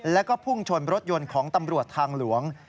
แล้วก็พุ่งชนรถยนต์ของตำรวจทางหลวง